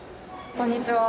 こんにちは！